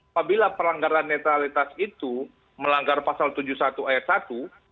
apabila pelanggaran netralitas itu melanggar pasal tujuh puluh satu ayat satu